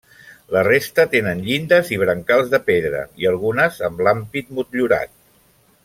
La resta tenen llindes i brancals de pedra i algunes amb l'ampit motllurat.